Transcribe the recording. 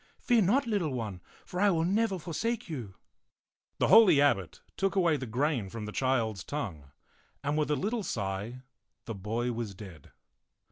Fear not, little one, for I will never forsake you.* " The holy abbot took away the grain from the child's tongue, and with a little sigh the boy was dead.